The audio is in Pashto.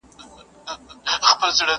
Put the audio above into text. هغه شپه مي د ژوندون وروستی ماښام وای؛